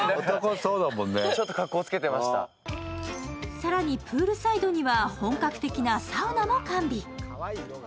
更にプールサイドには本格的なサウナも完備。